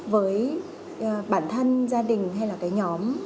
với bản thân gia đình hay nhóm